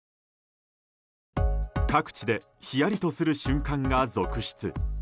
各地でひやりとする瞬間が続出。